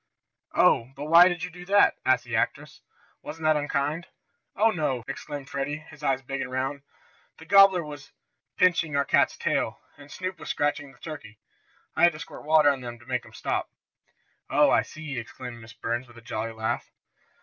"Oh, but why did you do that?" asked the actress. "Wasn't that unkind?" "Oh, no!" exclaimed Freddie, his eyes big and round. "The gobbler was pinching our cat's tail, and Snoop was scratching the turkey. I had to squirt water on them to make them stop." "Oh, I see!" exclaimed Miss Burns with a jolly laugh.